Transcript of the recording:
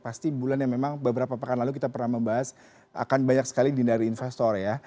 pasti bulan yang memang beberapa pekan lalu kita pernah membahas akan banyak sekali dindari investor ya